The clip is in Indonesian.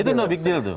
itu no big deal tuh